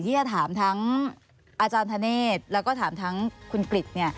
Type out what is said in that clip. ที่จะถามทั้งอาจารย์ธเนธแล้วก็ถามทั้งคุณกริจ